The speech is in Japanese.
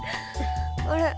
あれ？